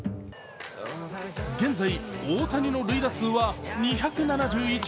現在、大谷の塁打数は２７１。